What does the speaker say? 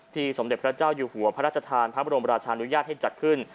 สมเด็จพระเจ้าอยู่หัวพระราชทานพระบรมราชานุญาตให้จัดขึ้น